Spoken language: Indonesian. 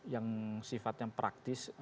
yang sifatnya praktis